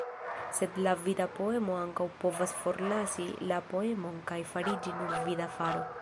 Sed la vida poemo ankaŭ povas forlasi la poemon kaj fariĝi nur vida faro.